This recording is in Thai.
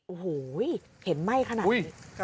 โอ้โหเห็นไหม้ขนาดนี้